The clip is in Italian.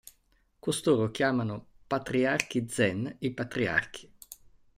Costoro chiamano ‘patriarchi zen' i patriarchi.